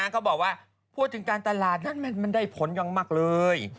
การตลาดนั้นมันได้ผลอย่างมากเลย